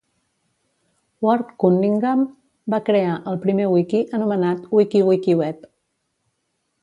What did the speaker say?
Ward Cunningham va crear, el primer wiki, anomenat WikiWikiWeb